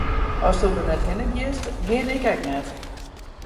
Asto der net hinne giest, gean ik ek net.